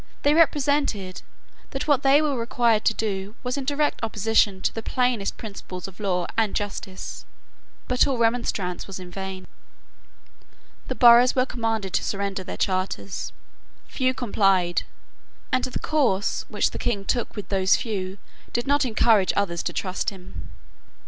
They represented that what they were required to do was in direct opposition to the plainest principles of law and justice: but all remonstrance was vain. The boroughs were commanded to surrender their charters. Few complied; and the course which the King took with those few did not encourage others to trust him.